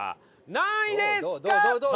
何位ですか？